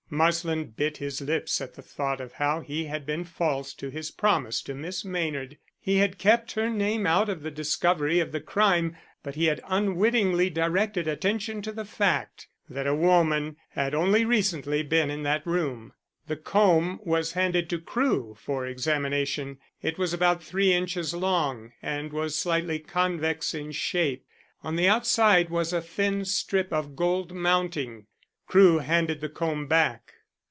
Marsland bit his lips at the thought of how he had been false to his promise to Miss Maynard. He had kept her name out of the discovery of the crime, but he had unwittingly directed attention to the fact that a woman had only recently been in that room. The comb was handed to Crewe for examination. It was about three inches long and was slightly convex in shape. On the outside was a thin strip of gold mounting. Crewe handed the comb back.